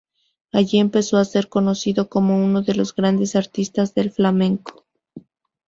Allí empezó a ser conocido como uno de los grandes artistas del flamenco.